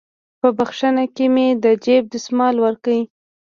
په نخښه كښې مې د جيب دسمال وركړ.